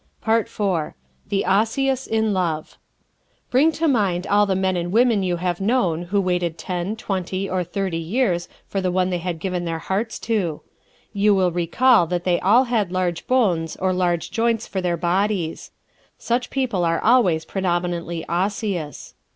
Part Four THE OSSEOUS IN LOVE ¶ Bring to mind all the men and women you have known who waited ten, twenty or thirty years for the one they had given their hearts to. You will recall that they all had large bones or large joints for their bodies. Such people are always predominantly Osseous.